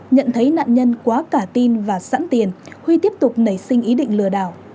nhận thấy nạn nhân quá cả tin và sẵn tiền huy tiếp tục nảy sinh ý định lừa đảo